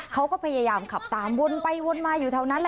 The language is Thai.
เขาก็พยายามขับตามวนไปวนมาอยู่แถวนั้นแหละ